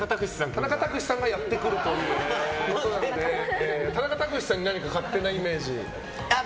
田中卓志さんがやってくるということで田中卓志さんに勝手なイメージ。